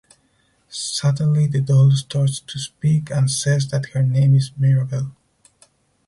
Suddenly the doll starts to speak and says that her name is Mirabelle.